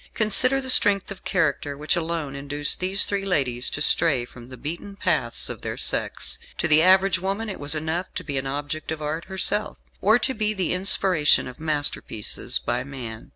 Consider the strength of character which alone induced these three ladies to stray from the beaten paths of their sex. To the average woman it was enough to be an object of art herself, or to be the inspiration of masterpieces by man.